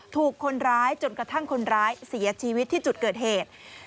ถูกคนร้ายจนกระทั่งคนร้ายเสียชีวิตที่จุดเกิดเหตุ